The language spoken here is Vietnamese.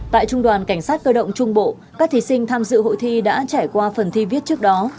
tại trung đoàn cảnh sát cơ động trung bộ các thí sinh tham dự hội thi đã trải qua phần thi viết trước đó